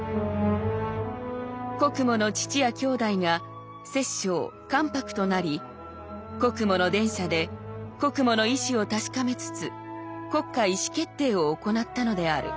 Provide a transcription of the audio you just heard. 「国母の父や兄弟が摂政・関白となり国母の殿舎で国母の意思を確かめつつ国家意思決定を行ったのである。